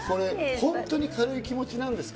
本当に軽い気持ちなんですか？